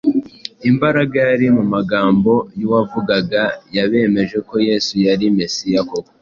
Imbaraga yari mu magambo y’uwavugaga yabemeje ko Yesu yari Mesiya koko.